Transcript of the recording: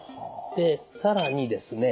で更にですね